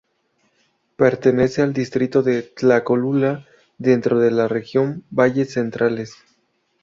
Pertenece al distrito de Tlacolula, dentro de la región valles centrales.